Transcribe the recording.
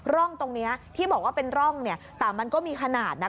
ร่องตรงนี้ที่บอกว่าเป็นร่องแต่มันก็มีขนาดนะ